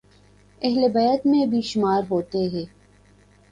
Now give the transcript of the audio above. اہل بیت میں بھی شمار ہوتے ہیں